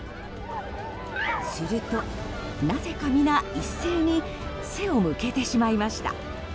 すると、なぜか皆一斉に背を向けてしまいました。